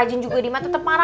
amatnya gak kuat ngejarnya